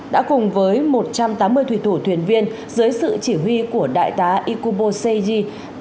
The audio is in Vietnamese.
đã cùng với một trăm tám mươi thủy thủ thuyền viên dưới sự chỉ huy của đại tá ikubosegi